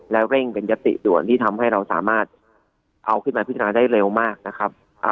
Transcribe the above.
แล้วเร่งเป็นยติด่วนที่ทำให้เราสามารถเอาขึ้นมาพิจารณาได้เร็วมากนะครับ